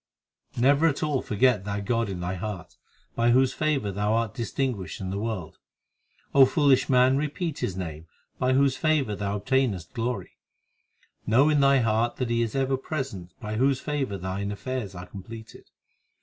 7 Never at all forget that God in thy heart By whose favour thou art distinguished in the world, O foolish man, repeat His name By whose favour thou obtainest glory. Know in thy heart that He is ever present By whose favour thine affairs are completed.